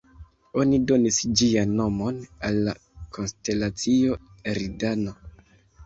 Oni donis ĝian nomon al la konstelacio Eridano.